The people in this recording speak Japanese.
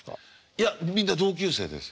いやみんな同級生です。